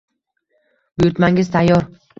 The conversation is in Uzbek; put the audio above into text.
Buyurtmangiz tayyor